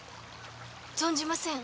存じませぬ。